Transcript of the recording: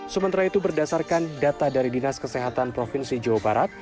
sementara itu berdasarkan data dari dinas kesehatan provinsi jawa barat